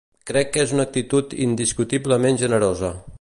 Crec que és una actitud indiscutiblement generosa.